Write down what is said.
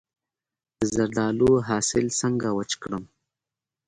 د زردالو حاصل څنګه وچ کړم؟